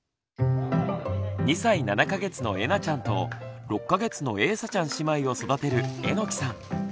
２歳７か月のえなちゃんと６か月のえいさちゃん姉妹を育てる榎さん。